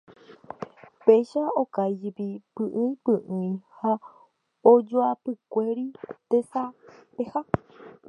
Péicha okáijepi py'ỹipy'ỹi ha ojoapykuéri tesapeha.